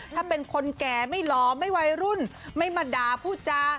ถ้าเป็นคนแก่ไม่หลอมไม่วัยรุ่นไม่มาด่าพูดจา